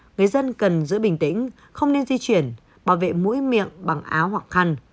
người dân cần giữ bình tĩnh không nên di chuyển bảo vệ mũi miệng bằng áo hoặc khăn